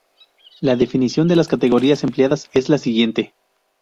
La definición de las categorías empleadas es la siguiente.